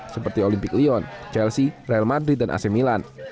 seperti olimpik leon chelsea real madrid dan ac milan